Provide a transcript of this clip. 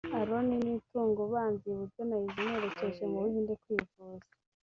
Aaron Nitunga ubanza iburyo (wambaye ikote ry'umukara) na Isaie umuherekeje mu Buhinde kwivuza